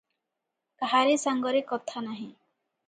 କାହାରି ସାଙ୍ଗରେ କଥା ନାହିଁ ।